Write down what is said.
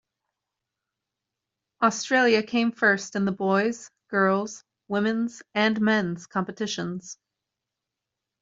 Australia came first in the boys', girls', women's and men's competitions.